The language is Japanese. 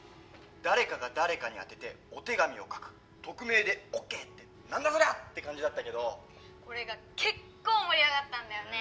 誰かが誰かに宛ててお手紙を書く匿名でＯＫって何だそりゃ！って感じだったけどこれが結構盛り上がったんだよね